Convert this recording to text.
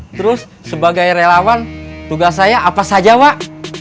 terus sebagai relawan tugas saya apa saja pak